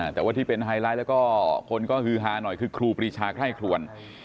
แต่ว่าที่เป็นไฮไลท์แล้วก็คนก็ฮือฮาหน่อยคือครูปรีชาไคร่ครวน